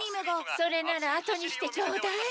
それならあとにしてちょうだい。